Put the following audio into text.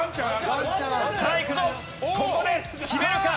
ここで決めるか？